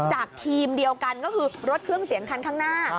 ทีมเดียวกันก็คือรถเครื่องเสียงคันข้างหน้า